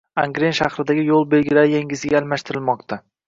Angren shahridagi yoʻl belgilari yangisiga almashtirilmoqda.